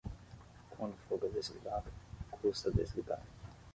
Quando o fogo é desligado, custa desligar.